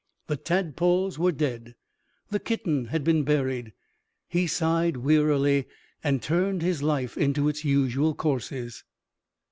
The tadpoles were dead. The kitten had been buried. He sighed wearily and turned his life into its usual courses.